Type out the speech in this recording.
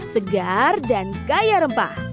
segar dan kaya rempah